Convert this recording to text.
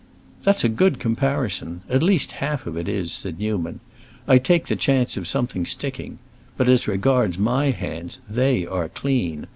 "That's a good comparison; at least half of it is," said Newman. "I take the chance of something sticking. But as regards my hands, they are clean.